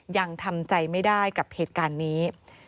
ยังทำใจไม่ได้กับเหตุการณ์นี้